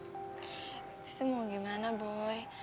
tapi sih mau gimana boy